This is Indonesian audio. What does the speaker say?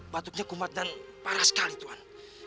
batuknya kumat dan parah sekali tuhan